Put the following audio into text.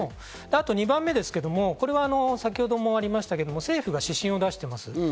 あと２番目ですけど、これは先ほどもありましたけど、政府が指針を出してます。